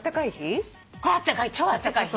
これ超あったかい日。